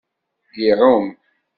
Iɛum.